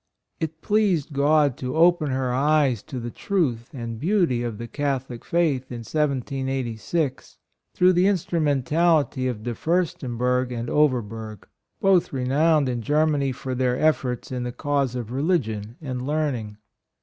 It pleased God to open her eyes to the truth and beauty of the Catholic faith in 1786, through the instrumentality of De Furstenberg and Overberg, both renowned in Germany for their efforts in the cause of religion and learning.